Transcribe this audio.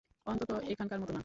অন্তত এখনকার মতো না।